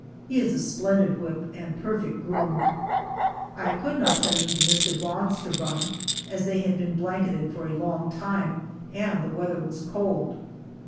He is a splendid whip and perfect groom. I could not send them to Mr. Vaughn's to run, as they had been blanketed for a long time, and the weather was cold.